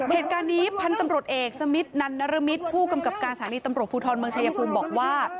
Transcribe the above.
เหตุการณ์นี้พันธุ์ตำรวจเอกสมิทนันนรมิตรผู้กำกับการสถานีตำรวจภูทรเมืองชายภูมิบอกว่า